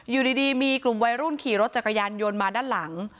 อยู่ดีมีกลุ่มวัยรุ่นขี่รถจักรยานยนต์มาด้านหลัง